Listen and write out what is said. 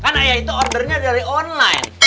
kan ayah itu ordernya dari online